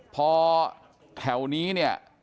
พอแถวนี้เนี่ย